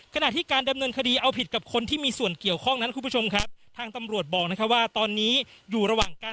ขณะที่การดำเนินคดีเอาผิดกับคนที่มีส่วนเกี่ยวข้องนั้นคุณผู้ชมครับทางตำรวจบอกนะครับว่าตอนนี้อยู่ระหว่างการ